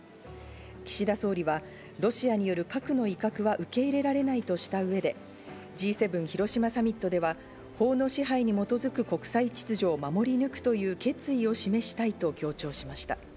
岸田総理はロシアによる核の威嚇は受け入れられないとした上で、Ｇ７広島サミットでは法の支配に基づく国際秩序を守り抜くという決意を示したいと強調しました。